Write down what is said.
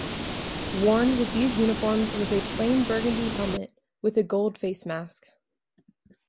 Worn with these uniforms was a plain burgundy helmet with a gold facemask.